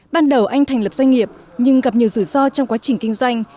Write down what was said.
ban đầu anh thành lập doanh nghiệp nhưng gặp nhiều rủi ro trong quá trình kinh doanh